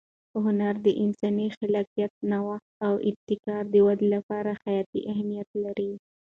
هنر د انساني خلاقیت، نوښت او ابتکار د وده لپاره حیاتي اهمیت لري.